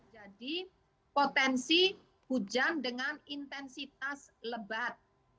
jadi potensi hujan dengan intensitas lebat